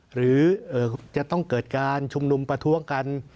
หรือจะต้องเกิดการชุมนุมประท้วงกัน